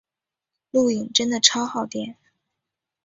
录影真的超耗电